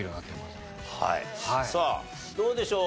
さあどうでしょう？